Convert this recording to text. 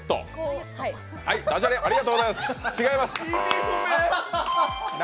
ダジャレ、ありがとうございます、違います！